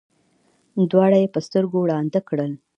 دواړه یې په سترګو ړانده کړل.